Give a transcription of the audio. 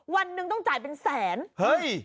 วันหนึ่งต้องจ่ายเป็นแสนเฮ้ย